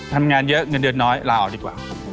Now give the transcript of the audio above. ทำงานเยอะเงินเดือนน้อยลาออกดีกว่า